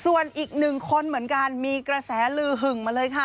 ส่วนอีกหนึ่งคนเหมือนกันมีกระแสลือหึงมาเลยค่ะ